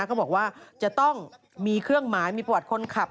เขาบอกว่าจะต้องมีเครื่องหมายมีประวัติคนขับ